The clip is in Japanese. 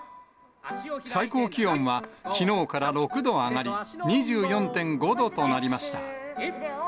最高気温はきのうから６度上がり、２４．５度となりました。